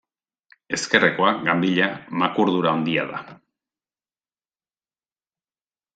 Ezkerrekoa, ganbila, makurdura handia da.